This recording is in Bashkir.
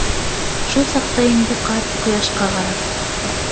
Шул саҡта инде ҡарт, ҡояшҡа ҡарап: